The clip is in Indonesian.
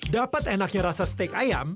dapat enaknya rasa steak ayam